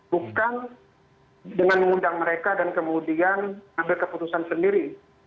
bukan dengan mengundang mereka dan kemudian mengambil keputusan sendiri